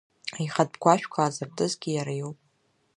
Аихатә гәашәқәа аазыртызгьы иара иоуп.